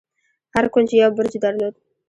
هر کونج يو برج درلود.